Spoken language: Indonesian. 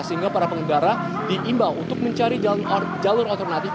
sehingga para pengendara diimbau untuk mencari jalur alternatif